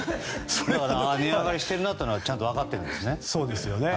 ああ、値上がりしてるなってちゃんと分かってるんですね。